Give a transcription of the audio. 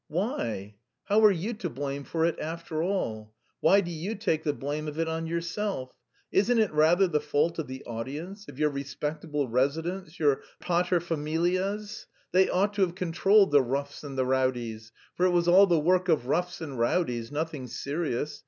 "Why? How are you to blame for it, after all? Why do you take the blame of it on yourself? Isn't it rather the fault of the audience, of your respectable residents, your patresfamilias? They ought to have controlled the roughs and the rowdies for it was all the work of roughs and rowdies, nothing serious.